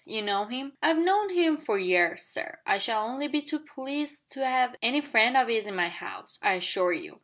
You know him?" "I've knowed 'im for years, sir. I shall only be too pleased to 'ave any friend of 'is in my 'ouse, I assure you."